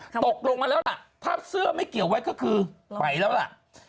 ตกลงมาแล้วล่ะถ้าเสื้อไม่เกี่ยวไว้ก็คือไปแล้วล่ะ